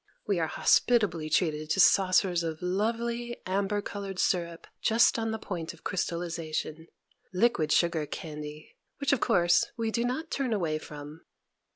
We are hospitably treated to saucers of lovely, amber colored sirup just on the point of crystallization, liquid sugar candy, which, of course, we do not turn away from.